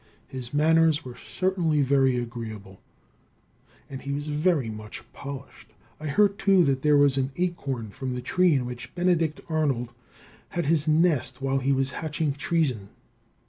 His manners were certainly very agreeable, and he was very much polished. I heard, too, that there was an acorn from the tree in which Benedict Arnold had his nest while he was hatching treason.